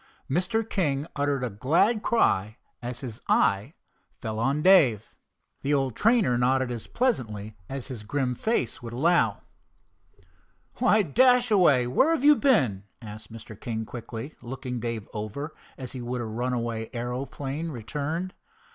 Mr. King uttered a glad cry as his eye fell on Dave. The old trainer nodded as pleasantly as his grim face would allow. "Why, Dashaway, where have you been?" asked Mr. King quickly, looking Dave over as he would a runaway aeroplane returned.